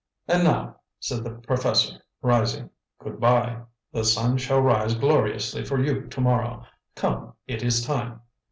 "And now," said the professor, rising, "good bye! The sun shall rise gloriously for you tomorrow. Come, it is time."